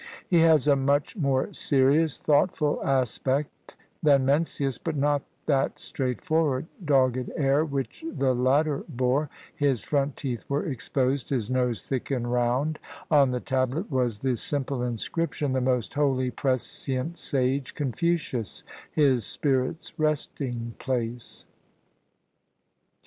He has a much more serious, thought ful aspect than Mencius, but not that straightforward, dogged air which the latter bore; his front teeth were exposed, his nose thick and roimd; on the tablet was the 20 A VISIT TO A TEMPLE OF CONFUCIUS simple inscription: "The Most Holy prescient sage Confucius — his spirit's resting place."